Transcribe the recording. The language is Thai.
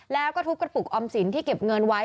แล้วก็ทุบกระปุกออมสินที่เก็บเงินไว้